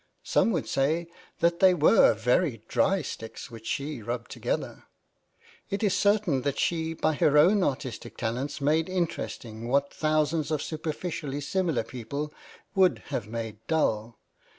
Some would say that they were very dry sticks which she rubbed together. It is certain that she by her own artistic talent made interesting what thousands of superficially similar people would have made dull.